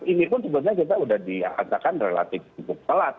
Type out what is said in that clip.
ini pun kita sudah diatakan relatif telat